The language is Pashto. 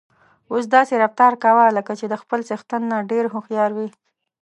اوښ داسې رفتار کاوه لکه چې د خپل څښتن نه ډېر هوښيار وي.